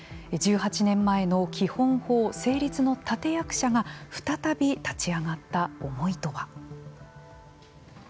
１８年前の基本法成立の立て役者が再び立ち上がった思いとは。